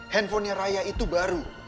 handphonenya raya itu baru